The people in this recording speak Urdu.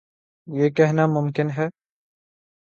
یہ کہنا ممکن ہے۔